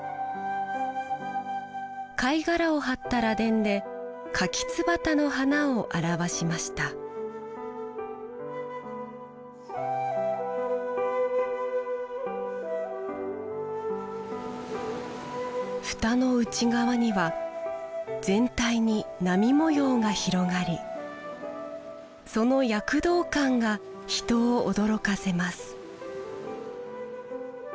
貝殻を貼った螺鈿でカキツバタの花を表しました蓋の内側には全体に波模様が広がりその躍動感が人を驚かせます